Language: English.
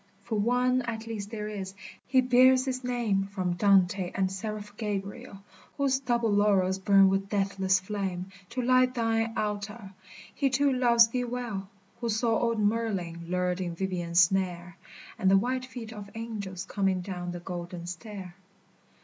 [So] For One at least there is, — He bears his name From Dante and the seraph Gabriel, — Whose double laurels burn with deathless flame To light thine altar ; He too loves thee well, Who saw old Merlin lured in Vivien's snare, And the white feet of angels coming down the golden stair.